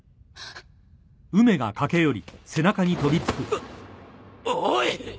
うっおい！